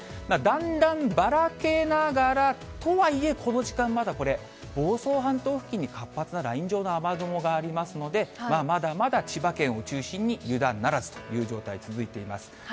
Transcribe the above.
だんだんばらけながら、とはいえこの時間、まだこれ、房総半島付近に活発なライン状の雨雲がありますので、まだまだ千葉県を中心に、油断ならずという状態、続いています。